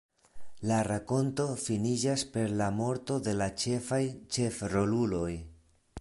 La rakonto finiĝas per la morto de la ĉefaj ĉefroluloj.